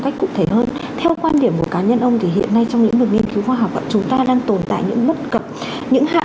cũng khiến cho dư luận bất ngờ